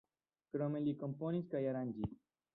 Krome li komponis kaj aranĝis.